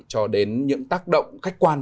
cho đến những tác động khách quan